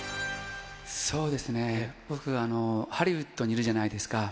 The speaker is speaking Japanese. そうですね、僕、ハリウッドにいるじゃないですか。